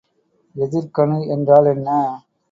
எதிர்க்கணு என்றால் என்ன?